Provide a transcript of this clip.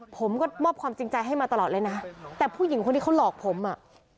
ผมก็มอบความจริงใจให้มาตลอดเลยนะแต่ผู้หญิงคนที่เขาหลอกผมอ่ะ